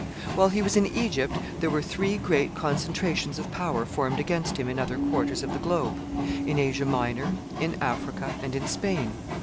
While he was in Egypt, there were three great concentrations of power formed against him in other quarters of the globe: in Asia Minor, in Africa, and in Spain.